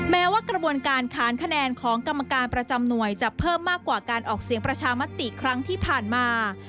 แม้ว่ากระบวนการค้านคะแนนของกรรมการประจำหน่วยจะเพิ่มมากกว่าการออกเสียงประชามติครั้งที่ผ่านมา